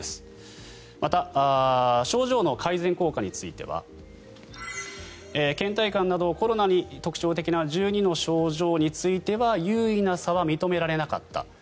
また、症状の改善効果についてはけん怠感などコロナに特徴的な１２の症状については有意な差は認められなかった。